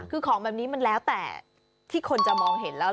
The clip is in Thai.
คือของแบบนี้มันแล้วแต่ที่คนจะมองเห็นแล้ว